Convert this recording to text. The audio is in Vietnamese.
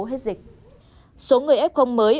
hết dịch số người ép không mới